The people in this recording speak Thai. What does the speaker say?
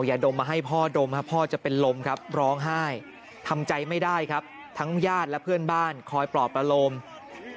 อย่าดมมาให้พ่อดมครับพ่อจะเป็นลมครับร้องไห้ทำใจไม่ได้ครับทั้งญาติและเพื่อนบ้านคอยปลอบอารมณ์